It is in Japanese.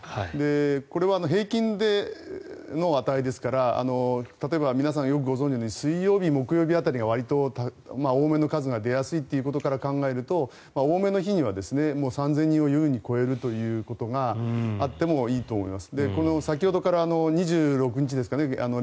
これは平均での値ですからみなさんご存じのように水曜日、木曜日辺りがわりと多めの数が出やすいということから考えると多めの日には３０００人を優に超えるということがあってもいいと思います。